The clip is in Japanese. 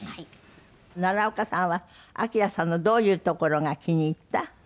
「奈良岡さんはＡＫＩＲＡさんのどういうところが気に入った？」